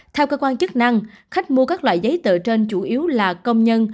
theo cơ quan chức năng khách mua các loại giấy tờ trên chủ yếu là công nhân